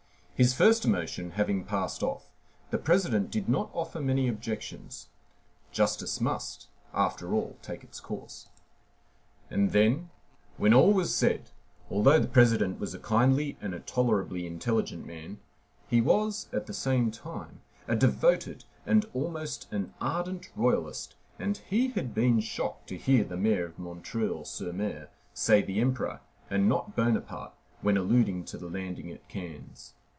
His first emotion having passed off, the President did not offer many objections. Justice must, after all, take its course. And then, when all was said, although the President was a kindly and a tolerably intelligent man, he was, at the same time, a devoted and almost an ardent royalist, and he had been shocked to hear the Mayor of M. sur M. say the Emperor, and not Bonaparte, when alluding to the landing at Cannes.